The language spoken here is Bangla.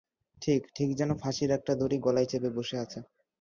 ঠিক, ঠিক যেন ফাঁসির একটা দড়ি, গলায় চেপে বসে আছে।